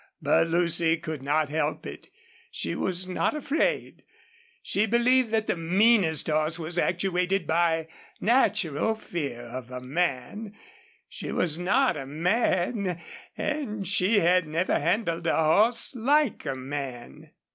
But Lucy could not help it; she was not afraid; she believed that the meanest horse was actuated by natural fear of a man; she was not a man and she had never handled a horse like a man.